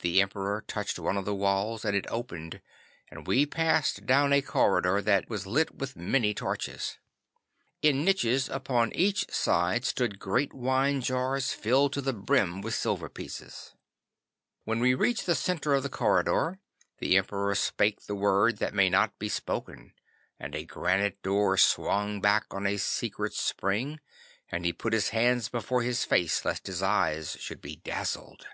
The Emperor touched one of the walls and it opened, and we passed down a corridor that was lit with many torches. In niches upon each side stood great wine jars filled to the brim with silver pieces. When we reached the centre of the corridor the Emperor spake the word that may not be spoken, and a granite door swung back on a secret spring, and he put his hands before his face lest his eyes should be dazzled.